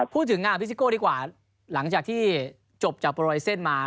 พี่ซิโก้ดีกว่าหลังจากที่จบจากโปรไลเซ็นต์มา